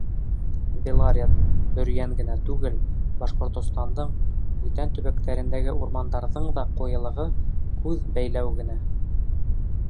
Белорет, Бөрйән генә түгел, Башҡортостандың бүтән төбәктәрендәге урмандарҙың да ҡуйылығы — күҙ бәйләү генә.